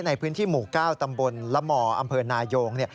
ในพื้นที่หมู่๙ตำบลละม่ออำเภอนายง